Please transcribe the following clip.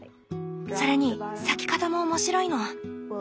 それに咲き方も面白いの。